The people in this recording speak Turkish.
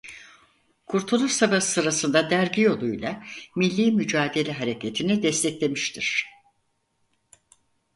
Kurtuluş Savaşı sırasında dergi yoluyla milli mücadele hareketini desteklemiştir.